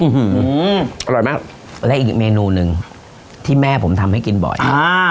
อื้อหืออร่อยไหมแล้วอีกเมนูหนึ่งที่แม่ผมทำให้กินบ่อยอ่า